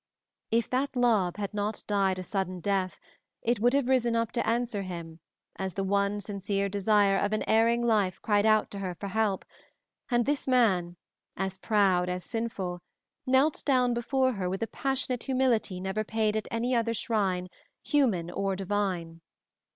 If that love had not died a sudden death, it would have risen up to answer him as the one sincere desire of an erring life cried out to her for help, and this man, as proud as sinful, knelt down before her with a passionate humility never paid at any other shrine, human or divine.